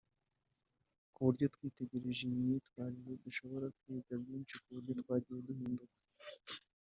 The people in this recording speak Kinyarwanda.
ku buryo twitegereje iyi myitwarire dushobora kwiga byinshi ku buryo twagiye duhinduka